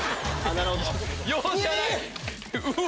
容赦ない！